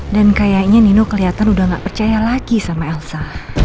dan kayaknya nino keliatan udah gak percaya lagi sama elsa